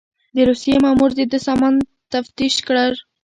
د روسيې مامور د ده سامان تفتيش کړ.